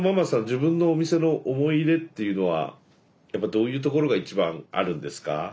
自分のお店の思い入れっていうのはやっぱどういうところが一番あるんですか？